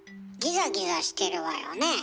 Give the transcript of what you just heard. ギザギザしてるわよね？